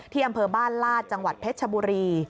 อำเภอบ้านลาดจังหวัดเพชรชบุรี